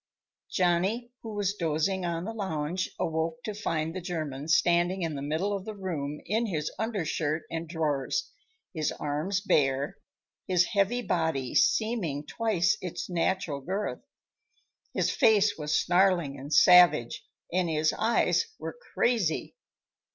Johnny, who was dozing on the lounge, awoke to find the German standing in the middle of the room in his undershirt and drawers, his arms bare, his heavy body seeming twice its natural girth. His face was snarling and savage, and his eyes were crazy.